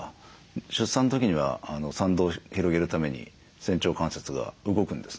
出産の時には産道を広げるために仙腸関節が動くんですね。